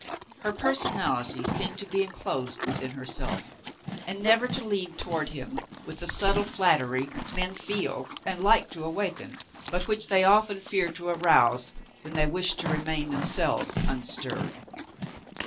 Hei personality seemed to be enclosed within herself and never to lean toward him with the subtile flattery men feel and like to awaken, but which they often fear to arouse when they wish to remain themselves unstirred.